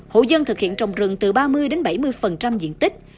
hộ dân thực hiện trồng rừng từ ba mươi đến bảy mươi diện tích